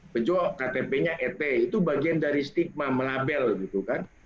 bejo ktp nya et itu bagian dari stigma melabel gitu kan